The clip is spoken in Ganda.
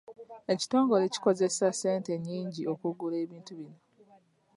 Ekitongole kikozeseza ssente nnyingi okugula ebintu bino.